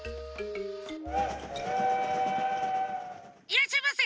いらっしゃいませ！